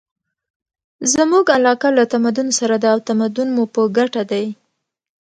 زموږ علاقه له تمدن سره ده او تمدن مو په ګټه دی.